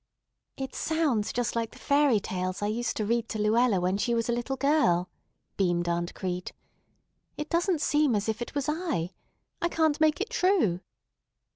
"It sounds just like the fairy tales I used to read to Luella when she was a little girl," beamed Aunt Crete. "It doesn't seem as if it was I. I can't make it true."